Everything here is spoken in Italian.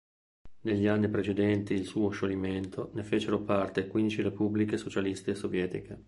Negli anni precedenti il suo scioglimento ne facevano parte quindici Repubbliche Socialiste Sovietiche.